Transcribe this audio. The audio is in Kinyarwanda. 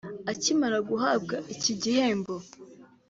Akimara guhabwa iki gihembo